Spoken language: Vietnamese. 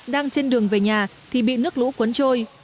đang trên đường về nhà thì bị nước lũ cuốn trôi